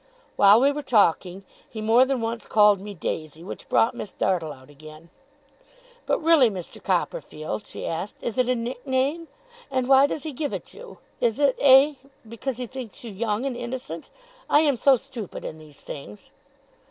While we were talking, he more than once called me Daisy; which brought Miss Dartle out again. 'But really, Mr. Copperfield,' she asked, 'is it a nickname? And why does he give it you? Is it eh? because he thinks you young and innocent? I am so stupid in these things.